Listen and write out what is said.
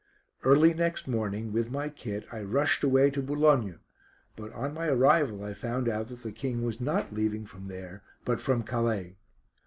Early next morning, with my kit, I rushed away to Boulogne, but on my arrival I found out that the King was not leaving from there, but from Calais.